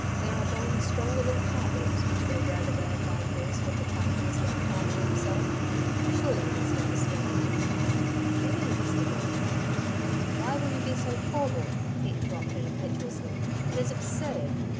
'There are bonds stronger than cart ropes which may drag a man by force from the path he has marked out for himself. Surely you must understand?' 'Really, Mr Maule.' 'Why will you be so formal!' he interrupted impetuously. 'It is absurd.